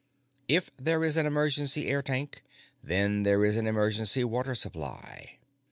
If there is emergency air tank, then there is an emergency water supply.